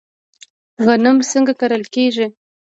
غنم څنګه کرل کیږي؟